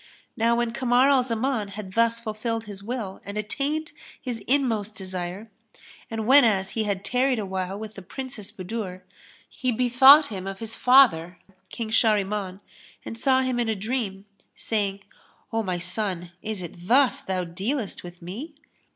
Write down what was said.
Now when Kamar al Zaman had thus fulfilled his will and attained his inmost desire, and whenas he had tarried awhile with the Princess Budur, he bethought him of his father, King Shahriman, and saw him in a dream, saying, "O my son, is it thus thou dealest with me?"